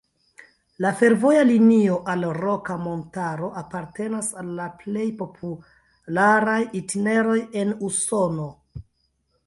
La fervoja linio al Roka Montaro apartenas al la plej popularaj itineroj en Usono.